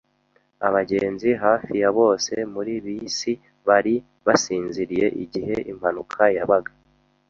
Abagenzi hafi ya bose muri bisi bari basinziriye igihe impanuka yabaga